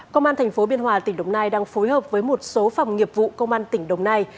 công an tp biên hòa tỉnh đồng nai đang phối hợp với một số phòng nghiệp vụ công an tỉnh đồng nai